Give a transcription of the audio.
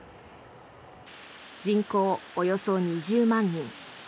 人口およそ２０万人。